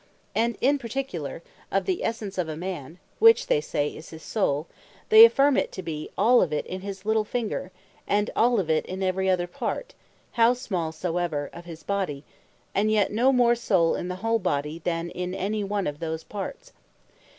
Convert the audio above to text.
And in particular, of the Essence of a Man, which (they say) is his Soule, they affirm it, to be All of it in his little Finger, and All of it in every other Part (how small soever) of his Body; and yet no more Soule in the Whole Body, than in any one of those Parts.